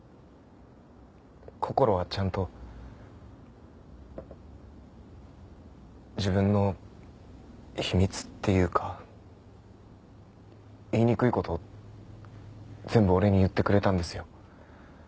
こころはちゃんと自分の秘密っていうか言いにくい事を全部俺に言ってくれたんですよ。